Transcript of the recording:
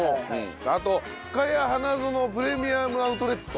あとふかや花園プレミアム・アウトレット。